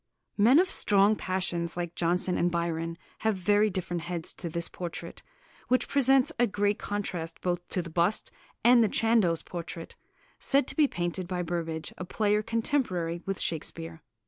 Men of strong passions like Jonson and Byron have very different heads to this portrait, which presents a great contrast both to the bust and the Chandos portrait" (said to be painted by Burbage, a player contemporary with Shakespeare).